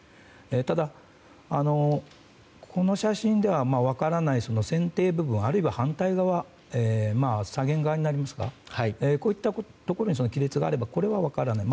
ただ、この写真では分からない船底部分あるいは反対側、左舷側にこういったところに亀裂があれば分からない。